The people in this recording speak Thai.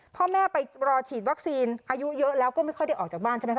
พ่อแม่ไปรอฉีดวัคซีนอายุเยอะแล้วก็ไม่ค่อยได้ออกจากบ้านใช่ไหมค